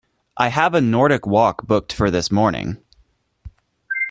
I have a Nordic walk booked for this morning.